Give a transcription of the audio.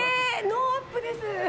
ノーアップです。